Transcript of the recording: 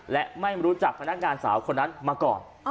และไม่รู้จักพนักงานสาวคนนั้นมาก่อน